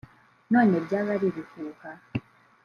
none byaba ari ibihuha